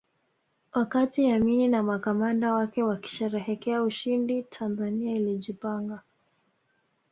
Wakati Amini na makamanda wake wakisherehekea ushindi Tanzania ilijipanga